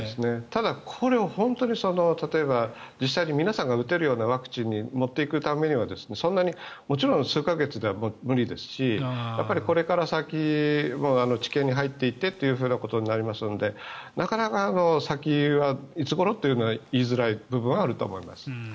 ただ、これを本当に例えば実際に皆さんが打てるようなワクチンに持っていくためにはそんなにもちろん数か月では無理ですしこれから先治験に入っていってということになりますのでなかなか先はいつごろというのは言いづらい部分はあると思います。